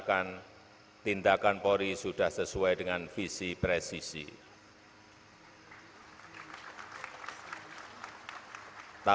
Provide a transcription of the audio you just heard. meninggalkan lapangan upacara